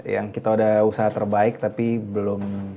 yang kita udah usaha terbaik tapi belum